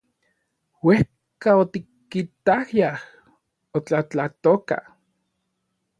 Uejka otikitayaj otlatlatoka.